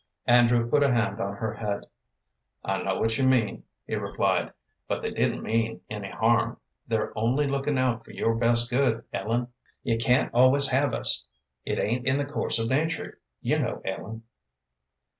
Andrew put a hand on her head. "I know what you mean," he replied, "but they didn't mean any harm; they're only looking out for your best good, Ellen. You can't always have us; it ain't in the course of nature, you know, Ellen."